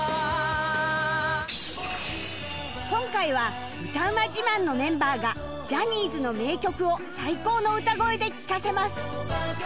今回は歌うま自慢のメンバーがジャニーズの名曲を最高の歌声で聴かせます